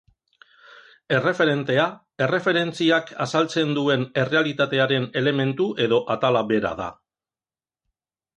Erreferentea erreferentziak azaltzen duen errealitatearen elementu edo atala bera da.